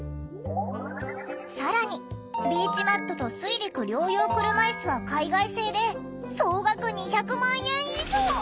更にビーチマットと水陸両用車いすは海外製で総額２００万円以上！